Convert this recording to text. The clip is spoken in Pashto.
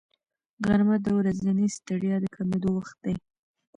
غرمه د ورځنۍ ستړیا د کمېدو وخت دی